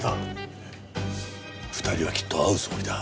２人はきっと会うつもりだ。